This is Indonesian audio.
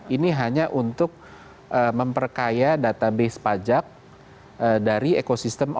ini hanya untuk memperkaya database pajak dari ekosistem